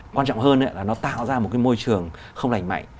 quan trọng hơn là nó tạo ra một cái môi trường không lành mạnh